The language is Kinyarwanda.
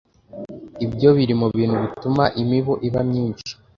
Ibyo biri mu bintu bituma imibu iba myinshi